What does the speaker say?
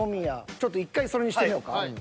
ちょっと１回それにしてみようか。